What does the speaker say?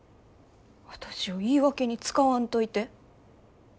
私を言い訳に使わんといて。